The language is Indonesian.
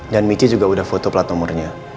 dan mici juga udah foto plat nomornya